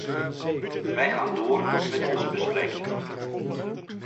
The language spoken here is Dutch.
Wij gaan door met onze besprekingen.